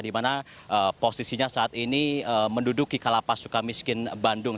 dimana posisinya saat ini menduduki kalapas suka miskin bandung